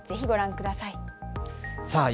ぜひご覧ください。